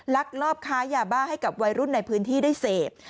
ลักลอบค้ายาบ้าให้กับวัยรุ่นในพื้นที่ได้เสพ